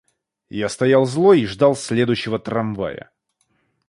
Я стоял злой и ждал следующего трамвая.